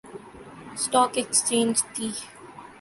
stock ایکسچینجتی